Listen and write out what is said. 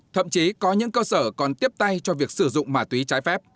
thậm chí có những cơ sở còn tiếp tay cho việc sử dụng ma túy trái phép